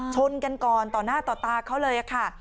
ชนกันก่อนต่อหน้าต่อตาเขาเลยค่ะ